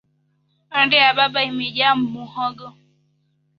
Honde a baba imeyaa muhogo